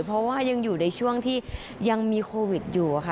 เพราะว่ายังอยู่ในช่วงที่ยังมีโควิดอยู่ค่ะ